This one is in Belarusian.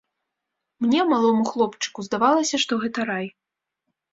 Мне, малому хлопчыку, здавалася, што гэта рай.